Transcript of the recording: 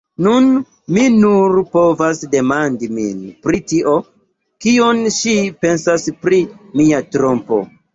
Nun, mi nur povas demandi min pri tio, kion ŝi pensas pri mia trompo.